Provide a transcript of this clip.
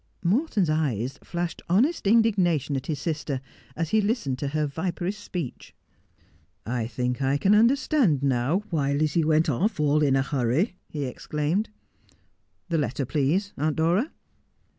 Morton's eyes flashed honest indignation at his sister, as he listened to her viperish speech. ' I think 1 can understand now why Lizzie went off all in a hurry,' he exclaimed. ' The letter, please, Aunt Dora.'